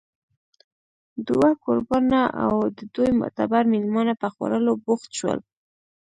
دوه کوربانه او د دوی معتبر مېلمانه په خوړلو بوخت شول